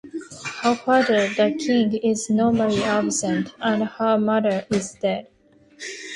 Her father, the king, is normally absent, and her mother is dead.